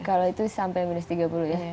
kalau itu sampai minus tiga puluh ya